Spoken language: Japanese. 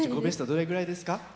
どれぐらいですか？